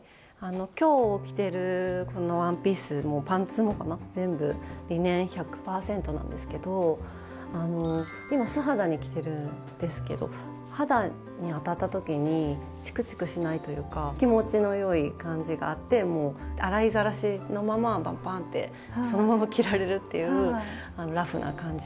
今日着てるこのワンピースもパンツもかな全部リネン１００％なんですけど今素肌に着てるんですけど肌に当たった時にチクチクしないというか気持ちの良い感じがあってもう洗いざらしのままパンパンってそのまま着られるっていうラフな感じもすごく気に入ってます。